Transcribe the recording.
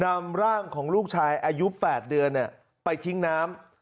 นำร่างของลูกชายอายุ๘เดือนไปทิ้งน้ำ